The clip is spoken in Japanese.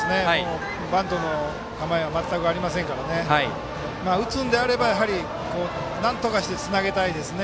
バントの構えは全くありませんからね打つんであれば、なんとかしてつなげたいですね。